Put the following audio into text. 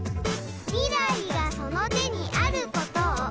「未来がその手にあることを」